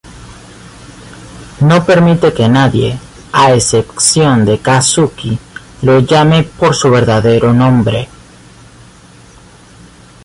No permite que nadie, a excepción de Kazuki, lo llame por su verdadero nombre.